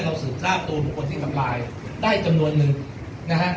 สืบทราบตัวบุคคลที่ทำลายได้จำนวนหนึ่งนะฮะ